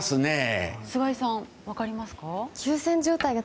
菅井さん、分かりますか？